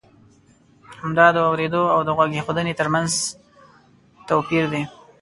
همدا د اورېدو او د غوږ اېښودنې ترمنځ توپی ر دی.